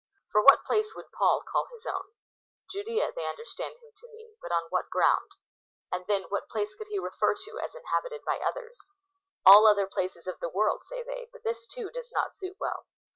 For what place would Paul call his own ? Judea they understand him to mean ; but on what ground ? And then, what place could he refer to as inhabited by others ?" All other places of the world" (say they ;) but this, too, does not suit well.